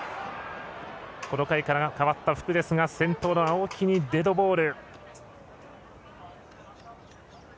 この回から代わった福ですが先頭の青木にデッドボール。